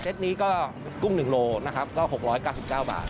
นี้ก็กุ้ง๑โลนะครับก็๖๙๙บาท